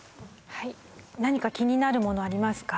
何か気になるものありますか？